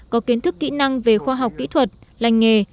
có kiến thức kỹ năng về khoa học kỹ thuật lành nghề